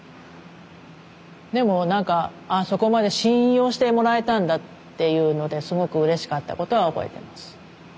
でも何かああそこまで信用してもらえたんだっていうのですごくうれしかったことは覚えてます。